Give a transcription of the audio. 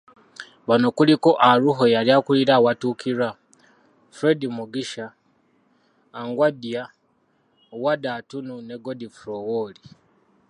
Bano kuliko; Aruho, eyali akulira awatuukirwa Fred Mugisha, Anguadia, Warder Atunu ne Geoffrey Owori.